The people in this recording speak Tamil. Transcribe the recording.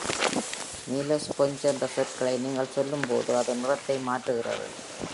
“நீல ஸ்பாஞ்ச்" என்ற சொற்களை நீங்கள் சொல்லும்போது, அது நிறத்தை மாற்றுகிறது.